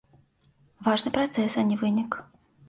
Важны працэс, а не вынік.